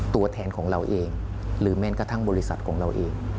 ตัวแทนของเราเองหรือแม้กระทั่งบริษัทของเราเอง